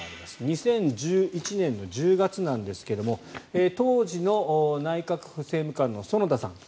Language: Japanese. ２０１１年の１０月なんですが当時の内閣府政務官の園田さん